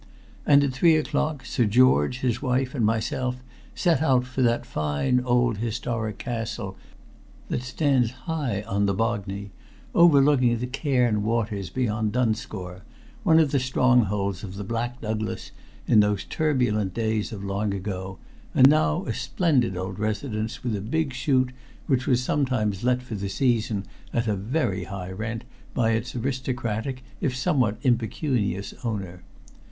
And at three o'clock Sir George, his wife, and myself set out for that fine old historic castle that stands high on the Bognie, overlooking the Cairn waters beyond Dunscore, one of the strongholds of the Black Douglas in those turbulent days of long ago, and now a splendid old residence with a big shoot which was sometimes let for the season at a very high rent by its aristocratic if somewhat impecunious owner.